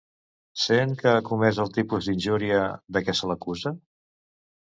Sent que ha comès el tipus d'injúria de què se l'acusa?